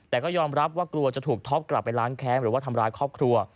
แต่ก็ยอมรับว่ากลัวจะถูกท็อปกลับไปล้างแค้นหรือว่าทำร้ายครอบครัว